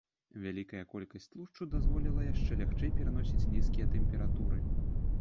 Вялікая колькасць тлушчу дазволіла яму лягчэй пераносіць нізкія тэмпературы.